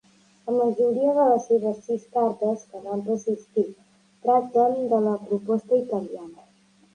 La majoria de les seves sis cartes que van persistir tracten de la proposta italiana.